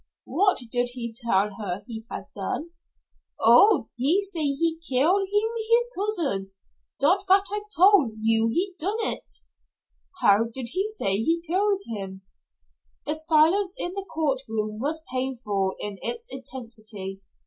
"What did he tell her he had done?" "Oh, he say he keel heem hees cousin. Dot vat I tol' you he done it." "How did he say he killed him?" The silence in the court room was painful in its intensity.